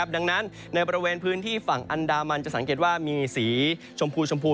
ดังนั้นในบริเวณพื้นที่ฝั่งอันดามันจะสังเกตว่ามีสีชมพูชมพู